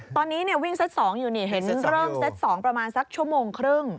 ตอนนี้วิ่งเซ็ต๒อยู่เริ่มเซ็ต๒ประมาณชั่วโมงครึ่ง